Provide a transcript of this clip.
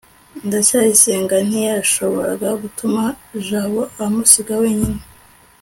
ndacyayisenga ntiyashoboraga gutuma jabo amusiga wenyine